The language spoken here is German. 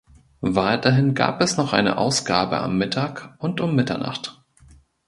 Weiterhin gab es noch eine Ausgabe am Mittag und um Mitternacht.